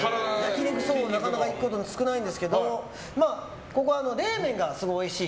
なかなか行くことも少ないんですけど冷麺がすごいおいしい。